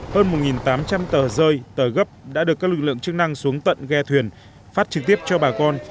hơn một tám trăm linh tờ rơi tờ gấp đã được các lực lượng chức năng xuống tận ghe thuyền phát trực tiếp cho bà con